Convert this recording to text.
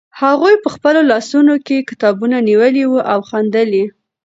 هغوی په خپلو لاسونو کې کتابونه نیولي وو او خندل یې.